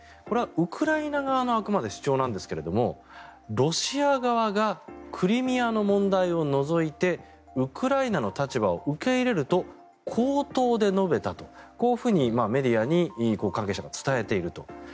これはウクライナ側のあくまで主張なんですがロシア側がクリミアの問題を除いてウクライナの立場を受け入れると口頭で述べたとこういうふうにメディアに関係者が伝えていると。